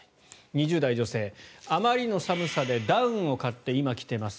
２０代女性、あまりの寒さでダウンを買って今、着ています。